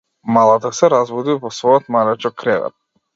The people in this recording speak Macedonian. Малата се разбуди во својот малечок кревет.